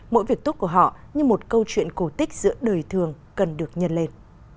mỗi việc tốt của họ như một câu chuyện cổ tích giữa đời thường cần được nhân lên